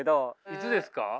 いつですか？